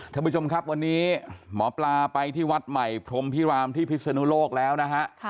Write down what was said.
ท่านผู้ชมครับวันนี้หมอปลาไปที่วัดใหม่พรมพิรามที่พิศนุโลกแล้วนะฮะ